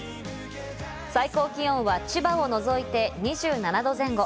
最高気温は千葉を除いて２７度前後。